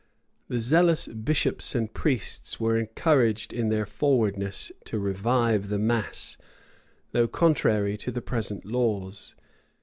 The zealous bishops and priests were encouraged in their forwardness to revive the mass, though contrary to the present laws.